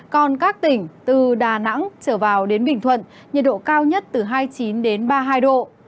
còn các tỉnh từ đà nẵng trở vào đến bình thuận nhiệt độ cao nhất từ hai mươi chín ba mươi hai độ